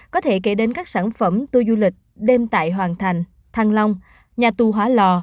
có thể kể đến các sản phẩm tour du lịch đêm tại hoàng thành thăng long nhà tù hóa lò